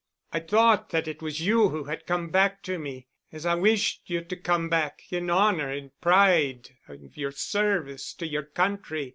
I thought that it was you who had come back to me—as I wished you to come back—in honor and pride of your service of your country.